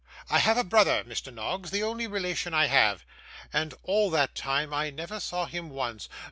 'I have a brother, Mr Noggs the only relation I have and all that time I never saw him once.